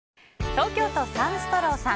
東京都の方。